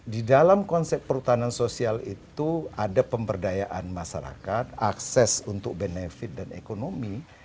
di dalam konsep perhutanan sosial itu ada pemberdayaan masyarakat akses untuk benefit dan ekonomi